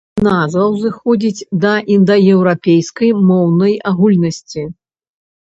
Назва ўзыходзіць да індаеўрапейскай моўнай агульнасці.